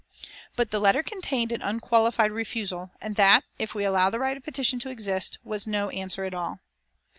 But the letter contained an unqualified refusal, and that, if we allow the right of petition to exist, was no answer at all.